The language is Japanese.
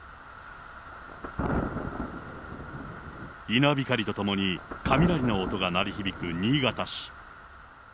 稲光とともに、雷の音が鳴り響く新潟市。